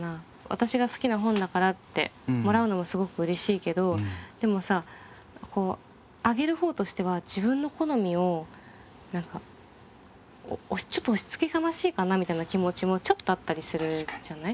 「私が好きな本だから」ってもらうのもすごくうれしいけどでもさあげる方としては自分の好みを何か「ちょっと押しつけがましいかな」みたいな気持ちもちょっとあったりするじゃない。